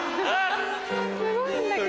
すごいんだけどね。